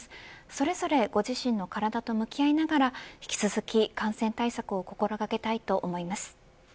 それぞれご自身の体と向き合いながら引き続き、感染対策を心掛けたいと思います。